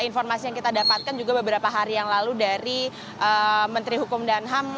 informasi yang kita dapatkan juga beberapa hari yang lalu dari menteri hukum dan ham